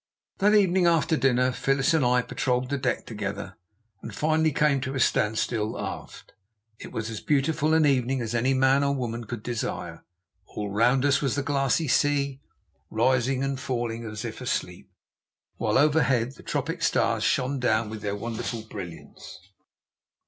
That evening, after dinner, Phyllis and I patrolled the deck together, and finally came to a standstill aft. It was as beautiful an evening as any man or woman could desire. All round us was the glassy sea, rising and falling as if asleep, while overhead the tropic stars shone down with their wonderful brilliance.